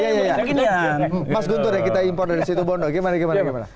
mas guntur ya kita import dari situ bondo gimana gimana gimana